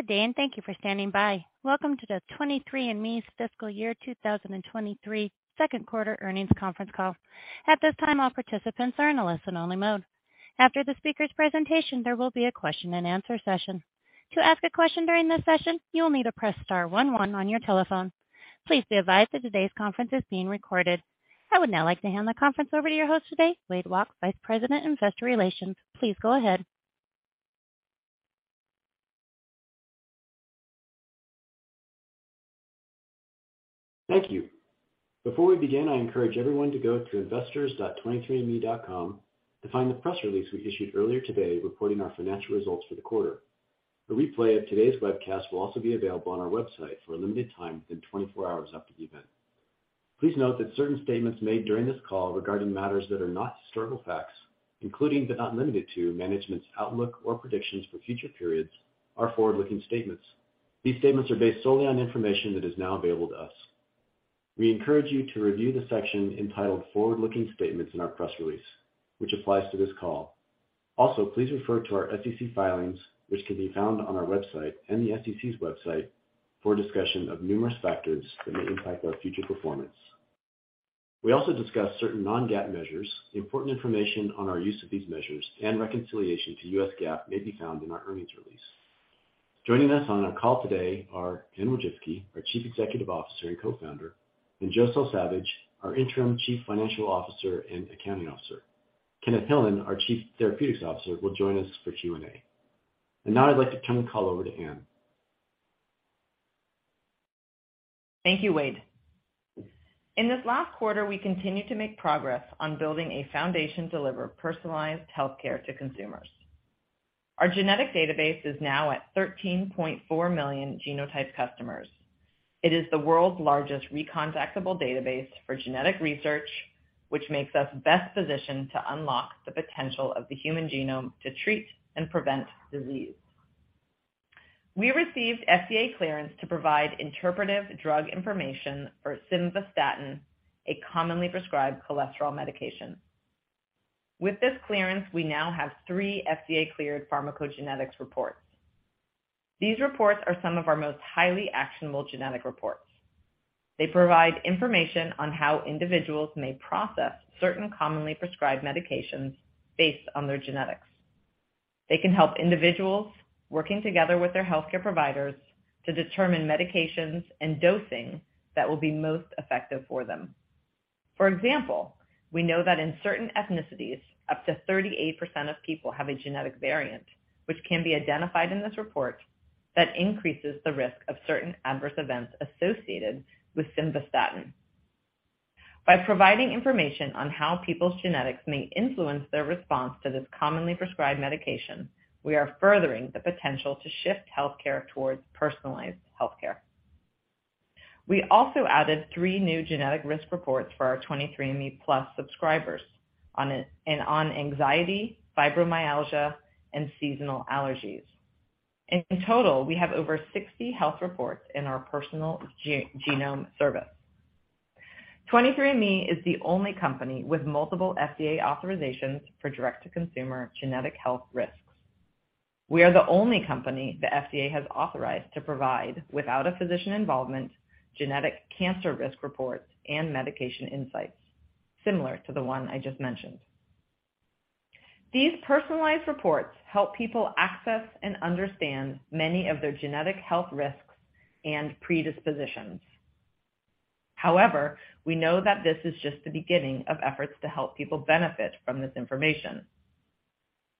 Good day, and thank you for standing by. Welcome to the 23andMe's fiscal year 2023 second quarter earnings conference call. At this time, all participants are in a listen-only mode. After the speaker's presentation, there will be a question and answer session. To ask a question during this session, you will need to press star one one on your telephone. Please be advised that today's conference is being recorded. I would now like to hand the conference over to your host today, Wade Walke, Vice President Investor Relations. Please go ahead. Thank you. Before we begin, I encourage everyone to go to investors.23andme.com to find the press release we issued earlier today, reporting our financial results for the quarter. A replay of today's webcast will also be available on our website for a limited time within 24 hours after the event. Please note that certain statements made during this call regarding matters that are not historical facts, including but not limited to, management's outlook or predictions for future periods, are forward-looking statements. These statements are based solely on information that is now available to us. We encourage you to review the section entitled Forward-Looking Statements in our press release, which applies to this call. Also, please refer to our SEC filings, which can be found on our website and the SEC's website, for a discussion of numerous factors that may impact our future performance. We also discuss certain non-GAAP measures. Important information on our use of these measures and reconciliation to US GAAP may be found in our earnings release. Joining us on our call today are Anne Wojcicki, our Chief Executive Officer and Co-founder, and Joseph Salsavage, our Interim Chief Financial Officer and Accounting Officer. Kenneth Hillan, our Chief Therapeutics Officer, will join us for Q&A. Now I'd like to turn the call over to Anne. Thank you, Wade. In this last quarter, we continued to make progress on building a foundation to deliver personalized healthcare to consumers. Our genetic database is now at 13.4 million genotyped customers. It is the world's largest recontactable database for genetic research, which makes us best positioned to unlock the potential of the human genome to treat and prevent disease. We received FDA clearance to provide interpretive drug information for simvastatin, a commonly prescribed cholesterol medication. With this clearance, we now have three FDA-cleared pharmacogenetics reports. These reports are some of our most highly actionable genetic reports. They provide information on how individuals may process certain commonly prescribed medications based on their genetics. They can help individuals working together with their healthcare providers to determine medications and dosing that will be most effective for them. For example, we know that in certain ethnicities, up to 38% of people have a genetic variant, which can be identified in this report, that increases the risk of certain adverse events associated with simvastatin. By providing information on how people's genetics may influence their response to this commonly prescribed medication, we are furthering the potential to shift healthcare towards personalized healthcare. We also added three new genetic risk reports for our 23andMe+ subscribers on anxiety, fibromyalgia, and seasonal allergies. In total, we have over 60 health reports in our Personal Genome Service. 23andMe is the only company with multiple FDA authorizations for direct-to-consumer genetic health risks. We are the only company the FDA has authorized to provide, without a physician involvement, genetic cancer risk reports and medication insights, similar to the one I just mentioned. These personalized reports help people access and understand many of their genetic health risks and predispositions. However, we know that this is just the beginning of efforts to help people benefit from this information.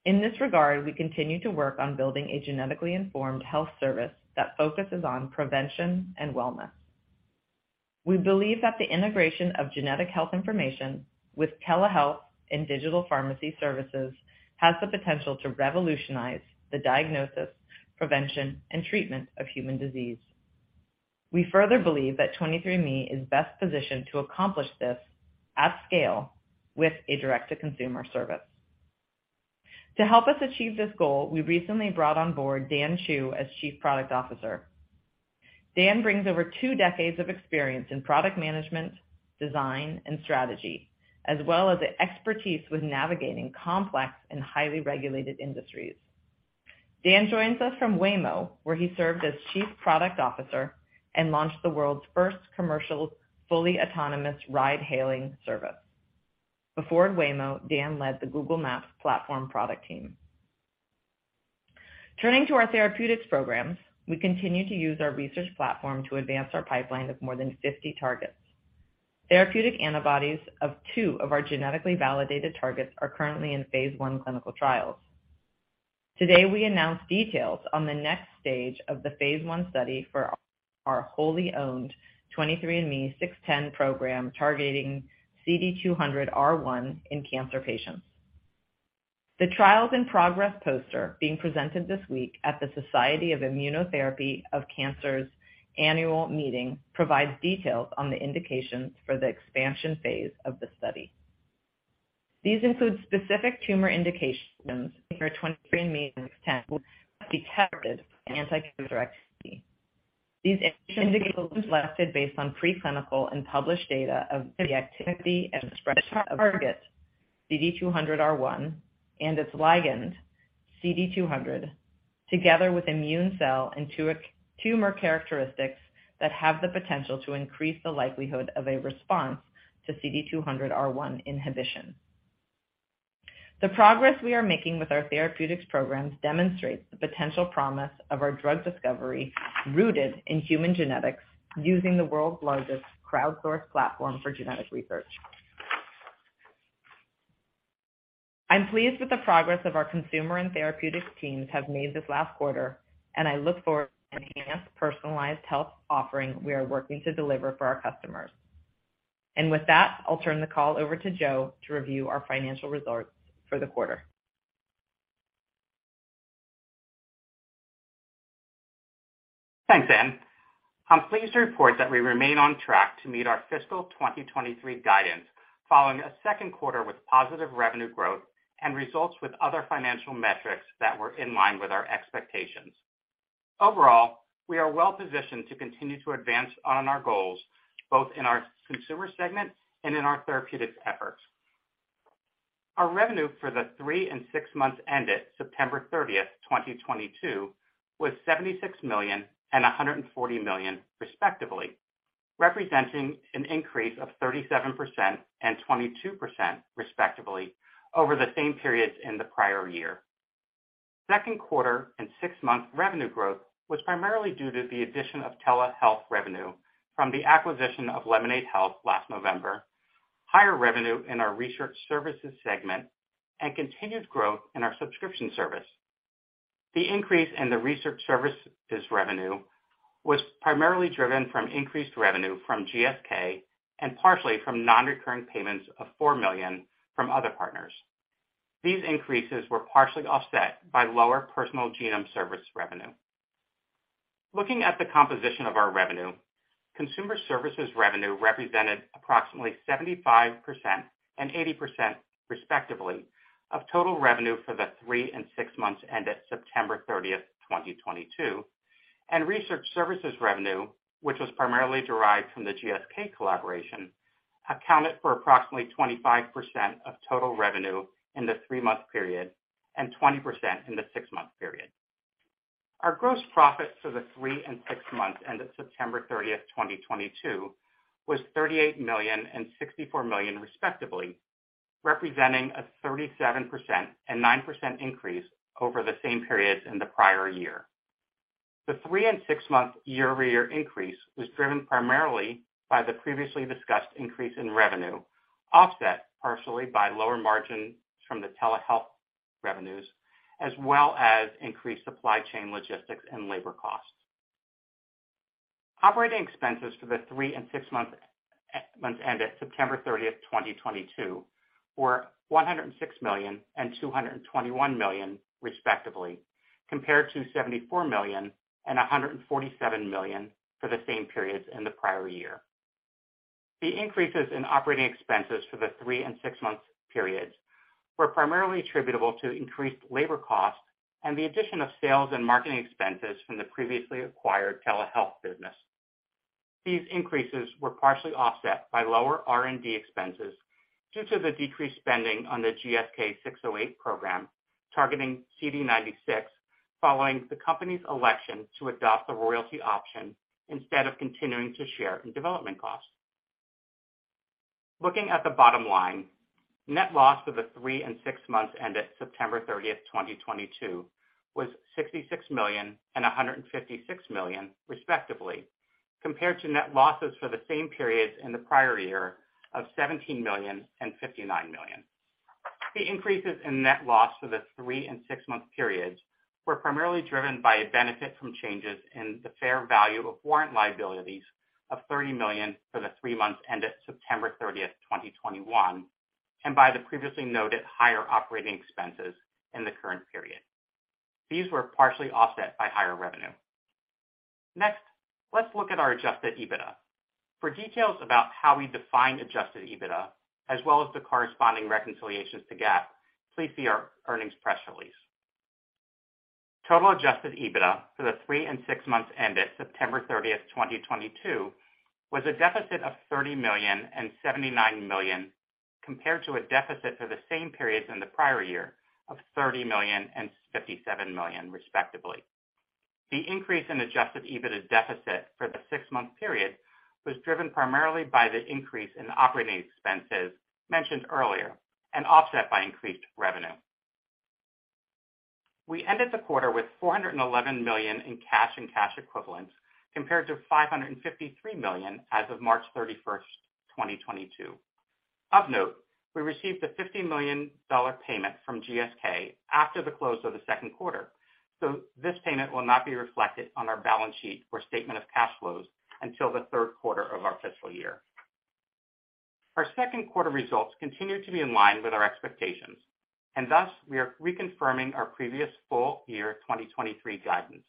In this regard, we continue to work on building a genetically informed health service that focuses on prevention and wellness. We believe that the integration of genetic health information with telehealth and digital pharmacy services has the potential to revolutionize the diagnosis, prevention, and treatment of human disease. We further believe that 23andMe is best positioned to accomplish this at scale with a direct-to-consumer service. To help us achieve this goal, we recently brought on board Dan Chu as Chief Product Officer. Dan brings over two decades of experience in product management, design, and strategy, as well as the expertise with navigating complex and highly regulated industries. Dan joins us from Waymo, where he served as Chief Product Officer and launched the world's first commercial fully autonomous ride-hailing service. Before Waymo, Dan led the Google Maps platform product team. Turning to our therapeutics programs, we continue to use our research platform to advance our pipeline of more than 50 targets. Therapeutic antibodies of two of our genetically validated targets are currently in phase I clinical trials. Today, we announced details on the next stage of the phase I study for our wholly owned 23andMe 610 program targeting CD200R1 in cancer patients. The trials in progress poster being presented this week at the Society for Immunotherapy of Cancer's annual meeting provides details on the indications for the expansion phase of the study. These include specific tumor indications for 23andMe 610 will be tested in anti-cancer activity. These indications were selected based on preclinical and published data of the activity and spread of target CD200R1 and its ligand CD200, together with immune cell and tumor characteristics that have the potential to increase the likelihood of a response to CD200R1 inhibition. The progress we are making with our therapeutics programs demonstrates the potential promise of our drug discovery rooted in human genetics using the world's largest crowdsourced platform for genetic research. I'm pleased with the progress of our consumer and therapeutics teams have made this last quarter, and I look forward to enhanced personalized health offering we are working to deliver for our customers. With that, I'll turn the call over to Joe to review our financial results for the quarter. Thanks, Anne. I'm pleased to report that we remain on track to meet our fiscal 2023 guidance, following a second quarter with positive revenue growth and results with other financial metrics that were in line with our expectations. Overall, we are well positioned to continue to advance on our goals, both in our consumer segment and in our therapeutics efforts. Our revenue for the three and six months ended September 30th, 2022 was $76 million and $140 million respectively, representing an increase of 37% and 22% respectively over the same periods in the prior year. Second quarter and six-month revenue growth was primarily due to the addition of telehealth revenue from the acquisition of Lemonaid Health last November, higher revenue in our research services segment, and continued growth in our subscription service. The increase in the research services revenue was primarily driven from increased revenue from GSK and partially from non-recurring payments of $4 million from other partners. These increases were partially offset by lower Personal Genome Service revenue. Looking at the composition of our revenue, consumer services revenue represented approximately 75% and 80%, respectively, of total revenue for the three and six months ended September 30th, 2022. Research services revenue, which was primarily derived from the GSK collaboration, accounted for approximately 25% of total revenue in the three-month period and 20% in the six-month period. Our gross profit for the three and six months ended September 30th, 2022 was $38 million and $64 million, respectively, representing a 37% and 9% increase over the same periods in the prior year. The three and six-month year-over-year increase was driven primarily by the previously discussed increase in revenue, offset partially by lower margins from the telehealth revenues, as well as increased supply chain logistics and labor costs. Operating expenses for the three and six months ended September 30th, 2022 were $106 million and $221 million, respectively, compared to $74 million and $147 million for the same periods in the prior year. The increases in operating expenses for the three and six months periods were primarily attributable to increased labor costs and the addition of sales and marketing expenses from the previously acquired telehealth business. These increases were partially offset by lower R&D expenses due to the decreased spending on the GSK'608 program targeting CD96 following the company's election to adopt the royalty option instead of continuing to share in development costs. Looking at the bottom line, net loss for the three and six months ended September 30th, 2022 was $66 million and $156 million, respectively, compared to net losses for the same periods in the prior year of $17 million and $59 million. The increases in net loss for the three and six-month periods were primarily driven by a benefit from changes in the fair value of warrant liabilities of $30 million for the three months ended September 30th, 2021, and by the previously noted higher operating expenses in the current period. These were partially offset by higher revenue. Let's look at our adjusted EBITDA. For details about how we define adjusted EBITDA as well as the corresponding reconciliations to GAAP, please see our earnings press release. Total adjusted EBITDA for the three and six months ended September 30th, 2022 was a deficit of $30 million and $79 million, compared to a deficit for the same periods in the prior year of $30 million and $57 million, respectively. The increase in adjusted EBITDA deficit for the six-month period was driven primarily by the increase in operating expenses mentioned earlier and offset by increased revenue. We ended the quarter with $411 million in cash and cash equivalents, compared to $553 million as of March 31st, 2022. Of note, we received a $50 million payment from GSK after the close of the second quarter, this payment will not be reflected on our balance sheet or statement of cash flows until the third quarter of our fiscal year. Our second quarter results continue to be in line with our expectations, thus, we are reconfirming our previous full year 2023 guidance.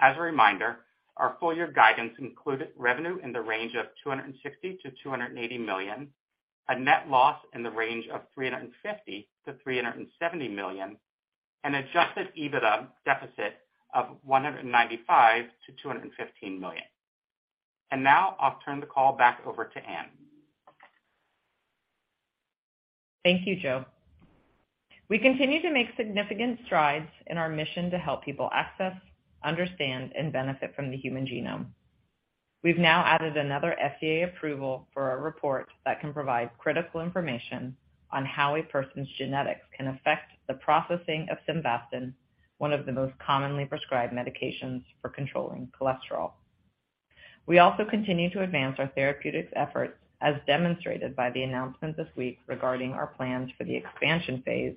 As a reminder, our full year guidance included revenue in the range of $260 million-$280 million, a net loss in the range of $350 million-$370 million An adjusted EBITDA deficit of $195 million-$215 million. Now I'll turn the call back over to Anne. Thank you, Joe. We continue to make significant strides in our mission to help people access, understand, and benefit from the human genome. We've now added another FDA approval for a report that can provide critical information on how a person's genetics can affect the processing of simvastatin, one of the most commonly prescribed medications for controlling cholesterol. We also continue to advance our therapeutics efforts, as demonstrated by the announcement this week regarding our plans for the expansion phase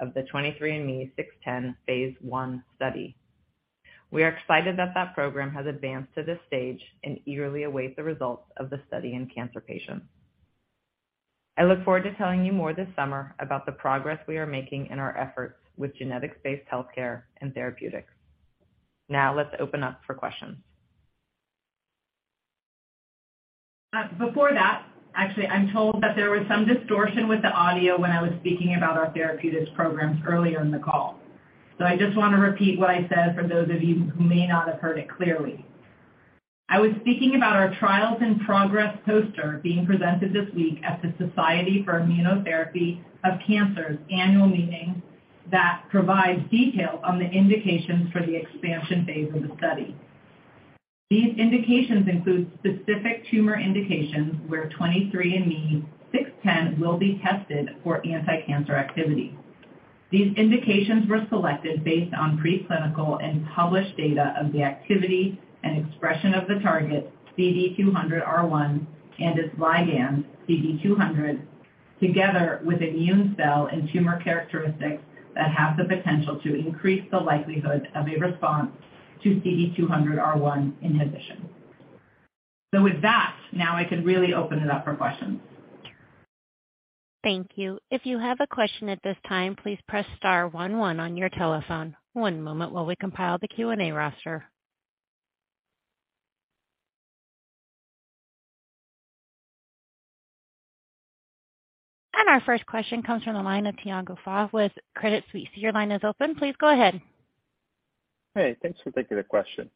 of the 23andMe 610-01 study. We are excited that program has advanced to this stage and eagerly await the results of the study in cancer patients. I look forward to telling you more this summer about the progress we are making in our efforts with genetics-based healthcare and therapeutics. Let's open up for questions. Before that, actually, I'm told that there was some distortion with the audio when I was speaking about our therapeutics programs earlier in the call. I just want to repeat what I said for those of you who may not have heard it clearly. I was speaking about our Trials in Progress poster being presented this week at the Society for Immunotherapy of Cancer's annual meeting that provides details on the indications for the expansion phase of the study. These indications include specific tumor indications where 23andMe 610 will be tested for anti-cancer activity. These indications were selected based on pre-clinical and published data of the activity and expression of the target, CD200R1 and its ligand, CD200, together with immune cell and tumor characteristics that have the potential to increase the likelihood of a response to CD200R1 inhibition. With that, now I can really open it up for questions. Thank you. If you have a question at this time, please press star 11 on your telephone. One moment while we compile the Q&A roster. Our first question comes from the line of Tiago Fauth with Credit Suisse. Your line is open. Please go ahead. Hey, thanks for taking the question.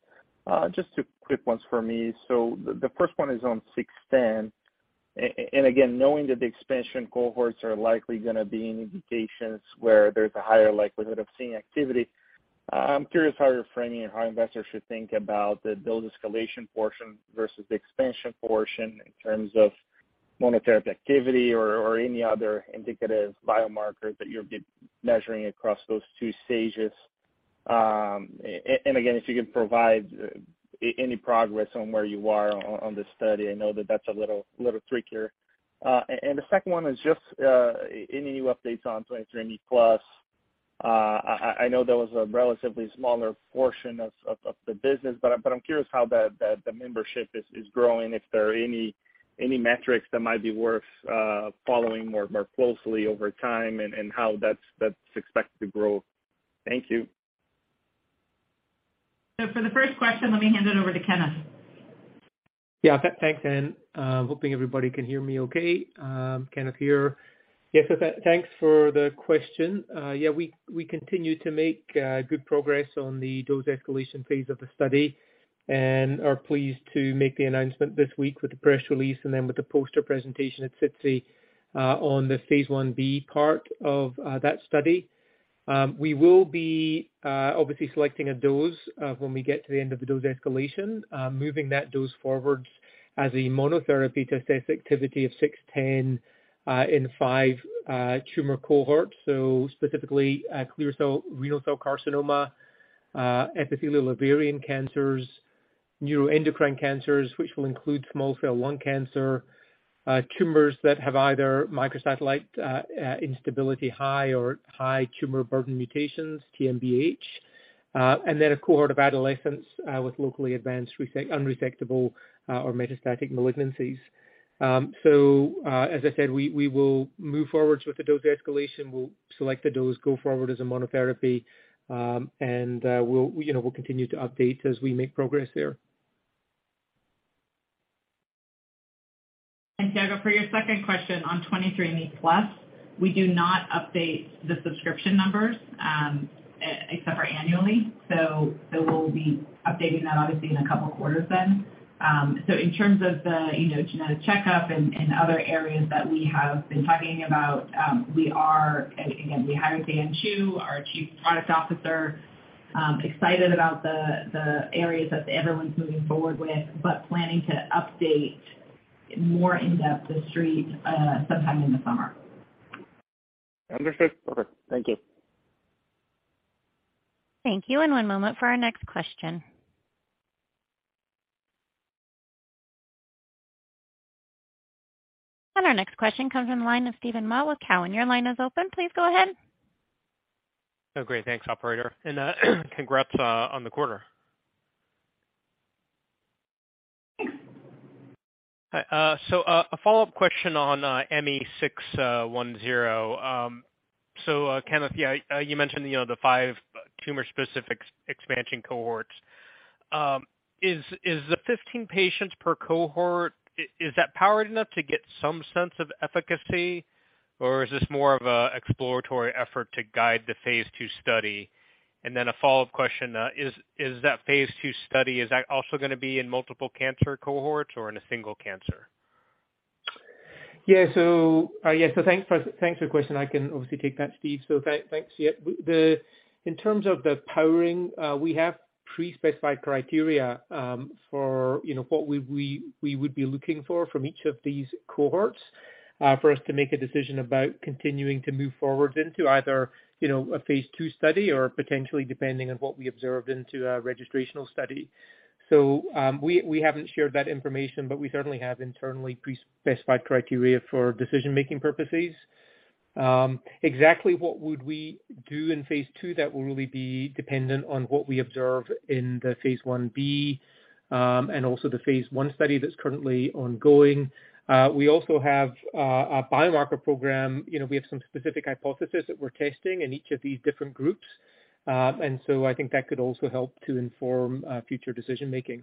Just two quick ones for me. The first one is on 610, again, knowing that the expansion cohorts are likely going to be in indications where there's a higher likelihood of seeing activity, I'm curious how you're framing and how investors should think about the build escalation portion versus the expansion portion in terms of monotherapy activity or any other indicative biomarker that you'll be measuring across those 2 stages. Again, if you could provide any progress on where you are on the study, I know that that's a little trickier. The second one is just any new updates on 23andMe+? I know that was a relatively smaller portion of the business, I'm curious how the membership is growing, if there are any metrics that might be worth following more closely over time, how that's expected to grow. Thank you. For the first question, let me hand it over to Kenneth. Thanks, Anne. Hoping everybody can hear me okay. Kenneth here. Yes, thanks for the question. We continue to make good progress on the dose escalation phase of the study and are pleased to make the announcement this week with the press release and then with the poster presentation at SITC on the phase I-B part of that study. We will be obviously selecting a dose when we get to the end of the dose escalation, moving that dose forwards as a monotherapy to assess activity of 610 in five tumor cohorts. Specifically, clear cell renal cell carcinoma, epithelial ovarian cancer, neuroendocrine cancers, which will include small cell lung cancer, tumors that have either microsatellite instability-high or high tumor burden mutations, TMB-H, and then a cohort of adolescents with locally advanced unresectable or metastatic malignancies. As I said, we will move forwards with the dose escalation. We'll select the dose, go forward as a monotherapy, and we'll continue to update as we make progress there. Tiago, for your second question on 23andMe+, we do not update the subscription numbers except for annually. We'll be updating that obviously in a couple of quarters then. In terms of the genetic checkup and other areas that we have been talking about, again, we hired Dan Chu, our Chief Product Officer, excited about the areas that everyone's moving forward with, but planning to update more in-depth with Street sometime in the summer. Understood. Perfect. Thank you. Thank you. One moment for our next question. Our next question comes from the line of Steven Mah with Cowen. Your line is open. Please go ahead. Great. Thanks, operator. Congrats on the quarter. A follow-up question on ME-610. Kenneth, you mentioned the five tumor-specific expansion cohorts. Is the 15 patients per cohort, is that powered enough to get some sense of efficacy, or is this more of an exploratory effort to guide the phase II study? A follow-up question, is that phase II study, is that also going to be in multiple cancer cohorts or in a single cancer? Thanks for the question. I can obviously take that, Steve. Thanks. In terms of the powering, we have pre-specified criteria for what we would be looking for from each of these cohorts for us to make a decision about continuing to move forward into either, a phase II study or potentially, depending on what we observed, into a registrational study. We haven't shared that information, but we certainly have internally pre-specified criteria for decision-making purposes. Exactly what would we do in phase II, that will really be dependent on what we observe in the phase I-B, and also the phase I study that's currently ongoing. We also have a biomarker program. We have some specific hypothesis that we're testing in each of these different groups. I think that could also help to inform future decision-making.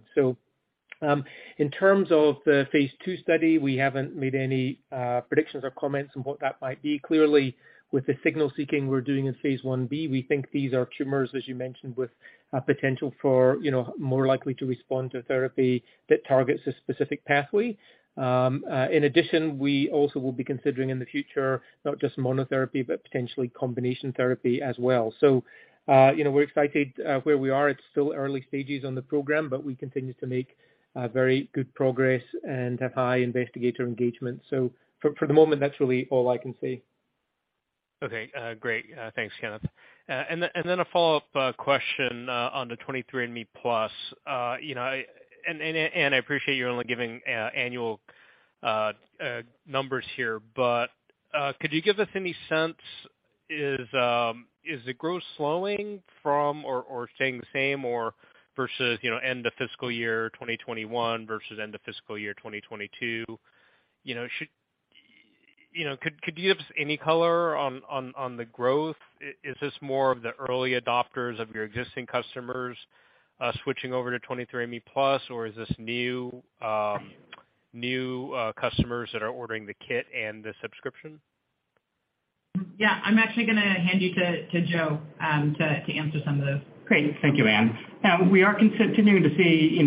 In terms of the phase II study, we haven't made any predictions or comments on what that might be. Clearly, with the signal-seeking we're doing in phase I-B, we think these are tumors, as you mentioned, with a potential for more likely to respond to therapy that targets a specific pathway. In addition, we also will be considering in the future, not just monotherapy, but potentially combination therapy as well. We're excited where we are. It's still early stages on the program, but we continue to make very good progress and have high investigator engagement. For the moment, that's really all I can say. Okay. Great. Thanks, Kenneth. Then a follow-up question on the 23andMe+. I appreciate you're only giving annual numbers here, but, could you give us any sense, is the growth slowing from or staying the same or versus end of fiscal year 2021 versus end of fiscal year 2022? Could you give us any color on the growth? Is this more of the early adopters of your existing customers switching over to 23andMe+, or is this new customers that are ordering the kit and the subscription? Yeah, I'm actually going to hand you to Joe, to answer some of those. Great. Thank you, Anne. Yeah, we are continuing to see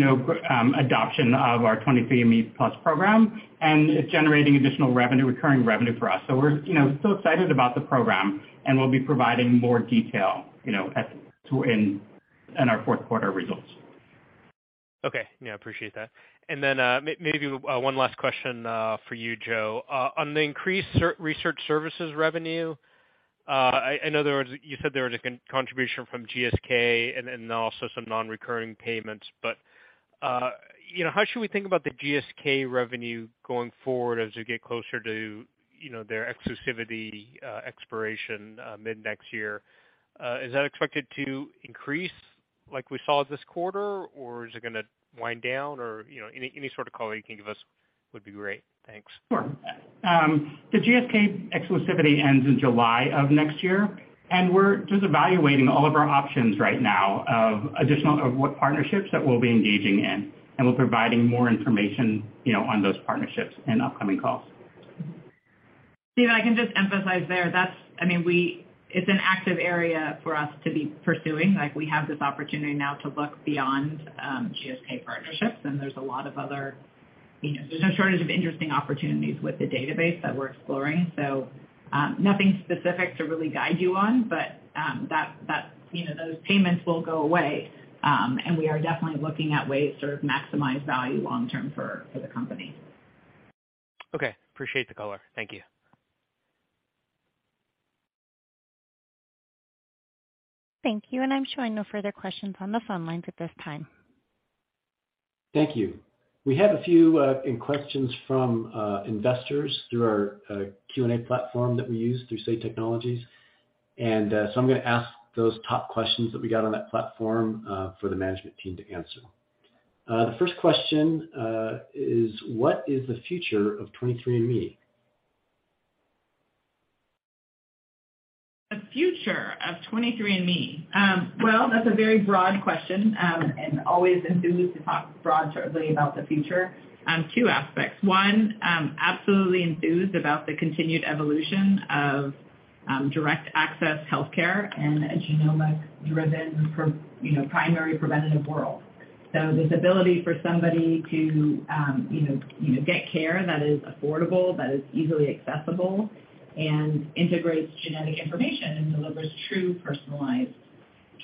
adoption of our 23andMe+ program, and it's generating additional revenue, recurring revenue for us. We're still excited about the program, and we'll be providing more detail in our fourth quarter results. Okay. Yeah, appreciate that. Maybe one last question for you, Joe. On the increased research services revenue, in other words, you said there was a contribution from GSK and also some non-recurring payments. How should we think about the GSK revenue going forward as we get closer to their exclusivity expiration mid next year? Is that expected to increase like we saw this quarter, or is it going to wind down? Any sort of color you can give us would be great. Thanks. Sure. The GSK exclusivity ends in July of next year. We're just evaluating all of our options right now of what partnerships that we'll be engaging in. We're providing more information on those partnerships in upcoming calls. Steve, I can just emphasize there, it's an active area for us to be pursuing. We have this opportunity now to look beyond GSK partnerships, there's no shortage of interesting opportunities with the database that we're exploring. Nothing specific to really guide you on, those payments will go away. We are definitely looking at ways to maximize value long-term for the company. Okay. Appreciate the color. Thank you. Thank you. I'm showing no further questions on the phone lines at this time. Thank you. We have a few questions from investors through our Q&A platform that we use through Say Technologies. I'm going to ask those top questions that we got on that platform for the management team to answer. The first question, is what is the future of 23andMe? The future of 23andMe. Well, that's a very broad question, always enthused to talk broadly about the future. Two aspects. One, absolutely enthused about the continued evolution of direct access healthcare and a genomic-driven, primary preventative world. This ability for somebody to get care that is affordable, that is easily accessible, and integrates genetic information and delivers true personalized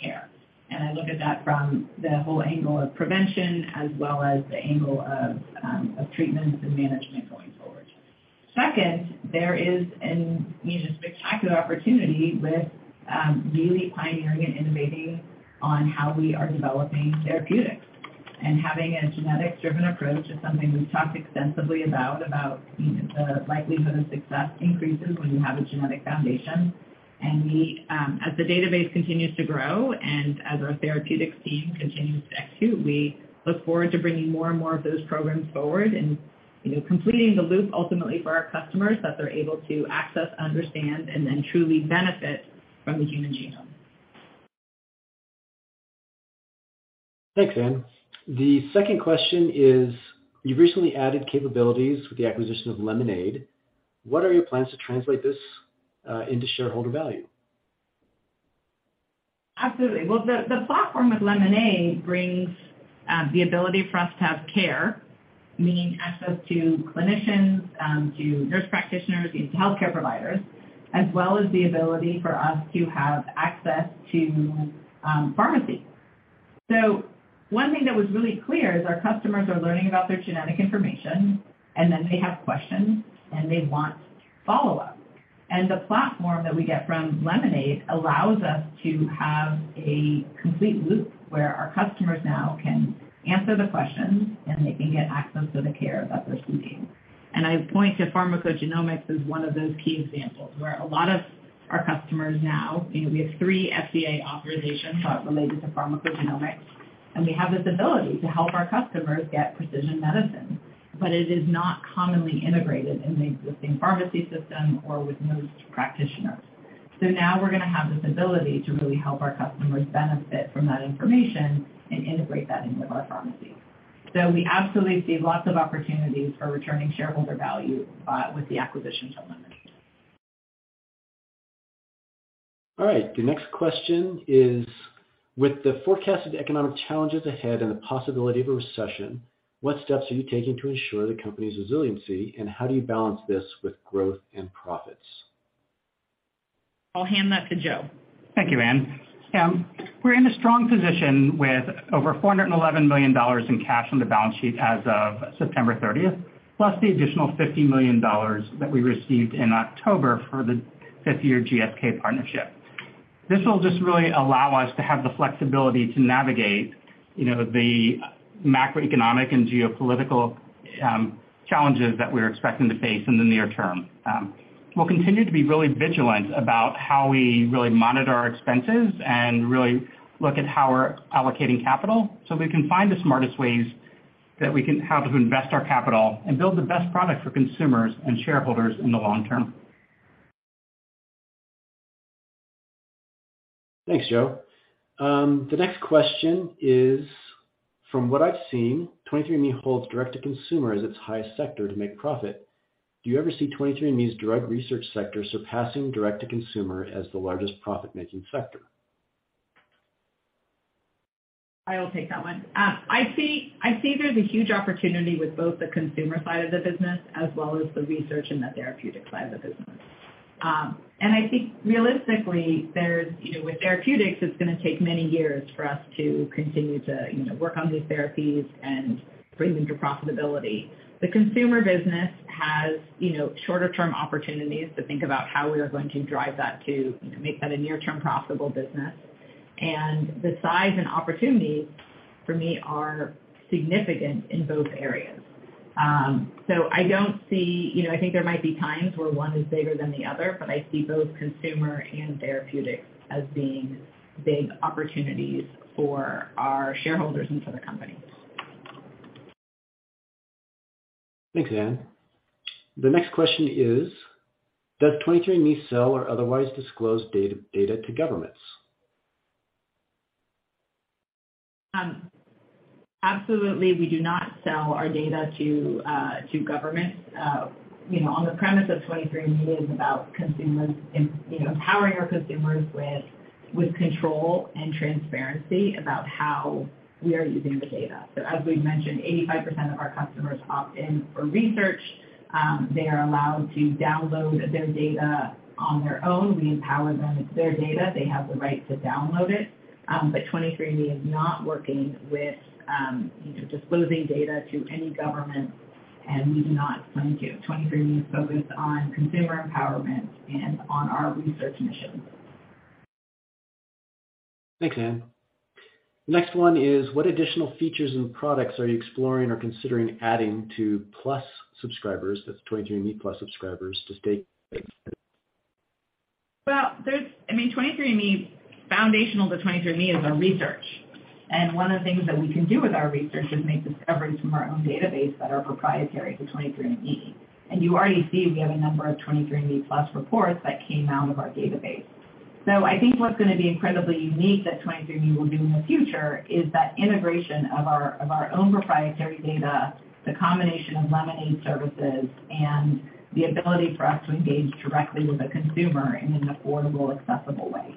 care. I look at that from the whole angle of prevention as well as the angle of treatments and management going forward. Second, there is a spectacular opportunity with really pioneering and innovating on how we are developing therapeutics. Having a genetic-driven approach is something we've talked extensively about the likelihood of success increases when you have a genetic foundation. As the database continues to grow and as our therapeutics team continues to execute, we look forward to bringing more and more of those programs forward and completing the loop ultimately for our customers, that they're able to access, understand, and then truly benefit from the human genome. Thanks, Anne. The second question is: you've recently added capabilities with the acquisition of Lemonaid Health. What are your plans to translate this into shareholder value? Absolutely. Well, the platform with Lemonaid Health brings the ability for us to have care, meaning access to clinicians, to nurse practitioners, to healthcare providers, as well as the ability for us to have access to pharmacy. One thing that was really clear is our customers are learning about their genetic information, and then they have questions, and they want follow-up. The platform that we get from Lemonaid Health allows us to have a complete loop where our customers now can answer the questions, and they can get access to the care that they're seeking. I point to pharmacogenomics as one of those key examples, where a lot of our customers now, we have three FDA authorizations related to pharmacogenomics, and we have this ability to help our customers get precision medicine. It is not commonly integrated in the existing pharmacy system or with most practitioners. Now we're going to have this ability to really help our customers benefit from that information and integrate that into our pharmacy. We absolutely see lots of opportunities for returning shareholder value with the acquisition of Lemonaid Health. All right. The next question is: with the forecasted economic challenges ahead and the possibility of a recession, what steps are you taking to ensure the company's resiliency, and how do you balance this with growth and profits? I'll hand that to Joe. Thank you, Anne. We're in a strong position with over $411 million in cash on the balance sheet as of September 30th, plus the additional $50 million that we received in October for the fifth-year GSK partnership. This will just really allow us to have the flexibility to navigate the macroeconomic and geopolitical challenges that we're expecting to face in the near term. We'll continue to be really vigilant about how we really monitor our expenses and really look at how we're allocating capital, so we can find the smartest ways that we can have to invest our capital and build the best product for consumers and shareholders in the long term. Thanks, Joe. The next question is: from what I've seen, 23andMe holds direct-to-consumer as its highest sector to make profit. Do you ever see 23andMe's drug research sector surpassing direct-to-consumer as the largest profit-making sector? I will take that one. I see there's a huge opportunity with both the consumer side of the business as well as the research and the therapeutic side of the business. I think realistically, with therapeutics, it's going to take many years for us to continue to work on these therapies and bring them to profitability. The consumer business has shorter-term opportunities to think about how we are going to drive that to make that a near-term profitable business, and the size and opportunities for me are significant in both areas. I think there might be times where one is bigger than the other, but I see both consumer and therapeutics as being big opportunities for our shareholders and for the company. Thanks, Anne. The next question is: does 23andMe sell or otherwise disclose data to governments? Absolutely we do not sell our data to governments. On the premise of 23andMe is about consumers, empowering our consumers with control and transparency about how we are using the data. As we've mentioned, 85% of our customers opt in for research. They are allowed to download their data on their own. We empower them. It's their data. They have the right to download it. 23andMe is not working with disclosing data to any government, and we do not plan to. 23andMe is focused on consumer empowerment and on our research mission. Thanks, Anne. Next one is: what additional features and products are you exploring or considering adding to Plus subscribers, that's 23andMe+ subscribers, to stay competitive? Foundational to 23andMe is our research, one of the things that we can do with our research is make discoveries from our own database that are proprietary to 23andMe. You already see we have a number of 23andMe+ reports that came out of our database. I think what's going to be incredibly unique that 23andMe will do in the future is that integration of our own proprietary data, the combination of Lemonaid services, and the ability for us to engage directly with the consumer in an affordable, accessible way.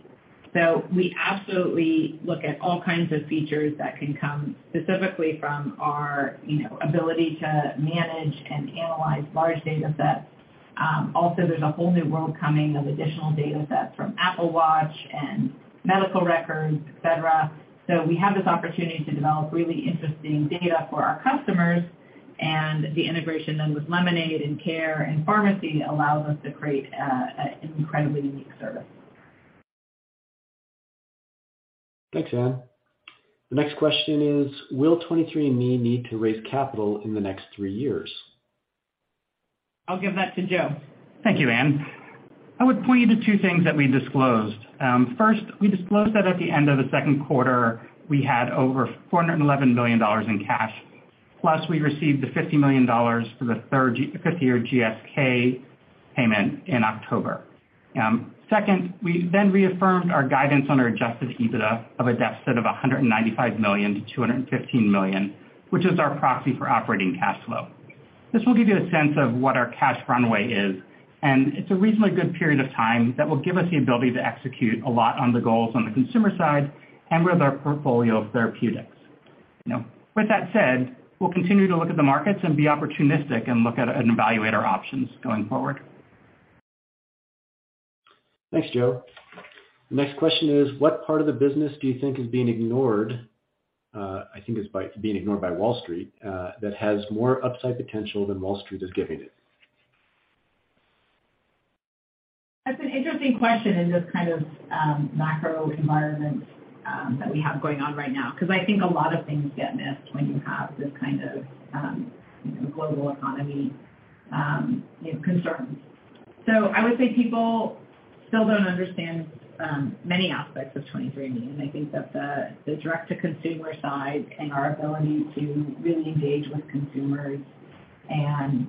Also, there's a whole new world coming of additional datasets from Apple Watch and medical records, et cetera. We have this opportunity to develop really interesting data for our customers and the integration with Lemonaid and care and pharmacy allows us to create an incredibly unique service. Thanks, Anne. The next question is: will 23andMe need to raise capital in the next three years? I'll give that to Joe. Thank you, Anne. I would point you to two things that we disclosed. First, we disclosed that at the end of the second quarter, we had over $411 million in cash. Plus, we received the $50 million for the third fifth-year GSK payment in October. Second, we then reaffirmed our guidance on our adjusted EBITDA of a deficit of $195 million to $215 million, which is our proxy for operating cash flow. This will give you a sense of what our cash runway is, and it's a reasonably good period of time that will give us the ability to execute a lot on the goals on the consumer side and with our portfolio of therapeutics. With that said, we'll continue to look at the markets and be opportunistic and look at and evaluate our options going forward. Thanks, Joe. The next question is: What part of the business do you think is being ignored by Wall Street, that has more upside potential than Wall Street is giving it? That's an interesting question in this kind of macro environment that we have going on right now, because I think a lot of things get missed when you have this kind of global economy concerns. I would say people still don't understand many aspects of 23andMe, and I think that the direct-to-consumer side and our ability to really engage with consumers and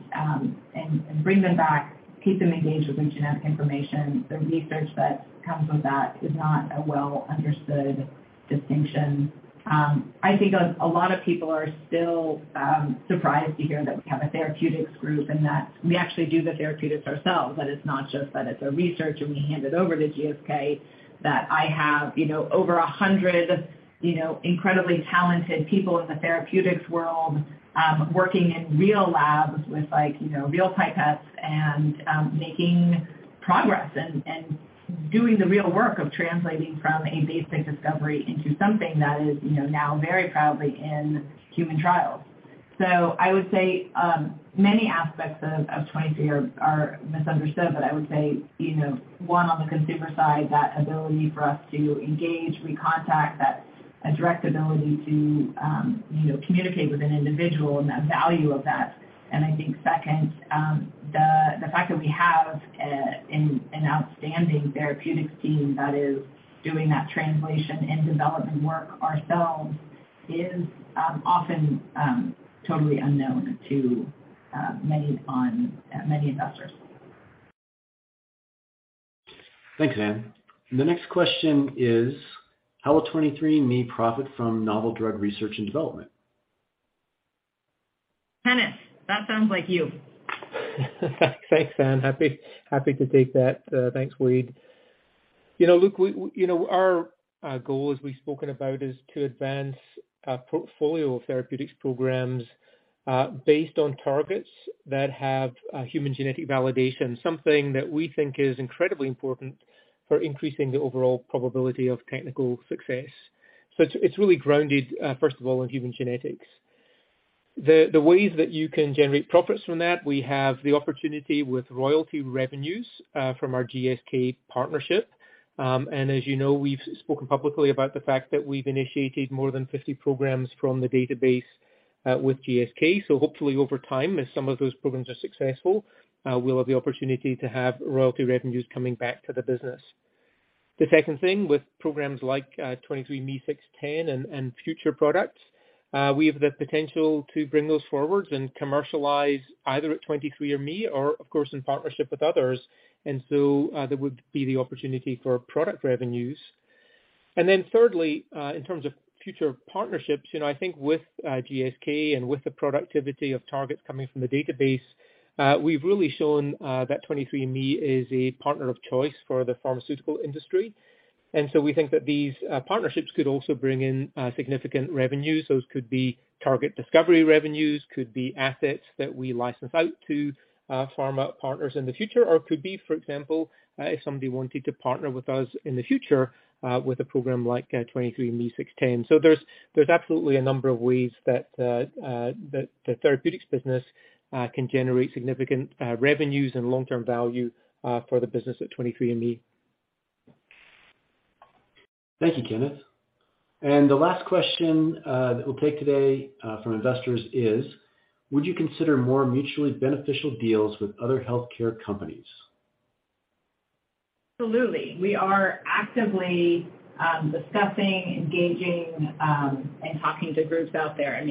bring them back, keep them engaged with their genetic information, the research that comes with that is not a well-understood distinction. I think a lot of people are still surprised to hear that we have a therapeutics group and that we actually do the therapeutics ourselves, that it's not just that it's a research and we hand it over to GSK. That I have over 100 incredibly talented people in the therapeutics world working in real labs with real pipettes and making progress and doing the real work of translating from a basic discovery into something that is now very proudly in human trials. I would say, many aspects of 23andMe are misunderstood, but I would say, one, on the consumer side, that ability for us to engage, recontact, that direct ability to communicate with an individual and the value of that. I think second, the fact that we have an outstanding therapeutics team that is doing that translation and development work ourselves is often totally unknown to many investors. Thanks, Anne. The next question is: How will 23andMe profit from novel drug research and development? Kenneth, that sounds like you. Thanks, Anne. Happy to take that. Thanks, Wade. Our goal, as we've spoken about, is to advance a portfolio of therapeutics programs based on targets that have human genetic validation, something that we think is incredibly important for increasing the overall probability of technical success. It's really grounded, first of all, in human genetics. The ways that you can generate profits from that, we have the opportunity with royalty revenues from our GSK partnership. As you know, we've spoken publicly about the fact that we've initiated more than 50 programs from the database with GSK. Hopefully over time, as some of those programs are successful, we'll have the opportunity to have royalty revenues coming back to the business. The second thing with programs like 23andMe 610 and future products, we have the potential to bring those forward and commercialize either at 23andMe or, of course, in partnership with others. That would be the opportunity for product revenues. Thirdly, in terms of future partnerships, I think with GSK and with the productivity of targets coming from the database, we've really shown that 23andMe is a partner of choice for the pharmaceutical industry. We think that these partnerships could also bring in significant revenues. Those could be target discovery revenues, could be assets that we license out to pharma partners in the future, or could be, for example, if somebody wanted to partner with us in the future with a program like 23andMe 610. There's absolutely a number of ways that the therapeutics business can generate significant revenues and long-term value for the business at 23andMe. Thank you, Kenneth. The last question that we'll take today from investors is: Would you consider more mutually beneficial deals with other healthcare companies? Absolutely. We are actively discussing, engaging, and talking to groups out there.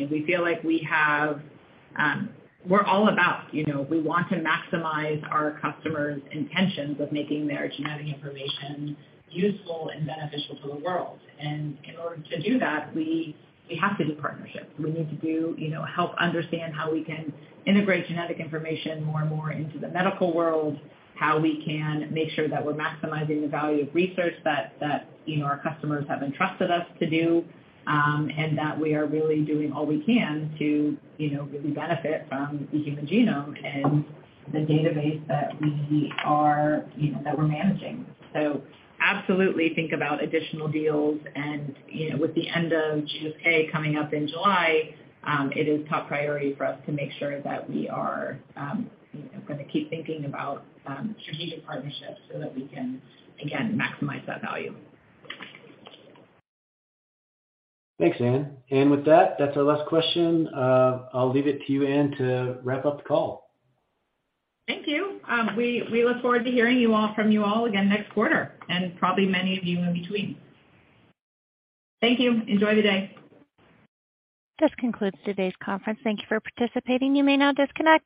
We're all about, we want to maximize our customers' intentions of making their genetic information useful and beneficial to the world. In order to do that, we have to do partnerships. We need to help understand how we can integrate genetic information more and more into the medical world, how we can make sure that we're maximizing the value of research that our customers have entrusted us to do, and that we are really doing all we can to really benefit from the human genome and the database that we're managing. Absolutely think about additional deals. With the end of GSK coming up in July, it is top priority for us to make sure that we are going to keep thinking about strategic partnerships so that we can, again, maximize that value. Thanks, Anne. With that's our last question. I'll leave it to you, Anne, to wrap up the call. Thank you. We look forward to hearing from you all again next quarter, and probably many of you in between. Thank you. Enjoy the day. This concludes today's conference. Thank you for participating. You may now disconnect.